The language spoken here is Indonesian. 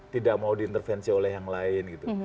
tidak mau diintervensi oleh yang lain gitu